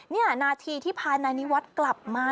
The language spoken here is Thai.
นี่นาทีที่พานายนิวัฒน์กลับมา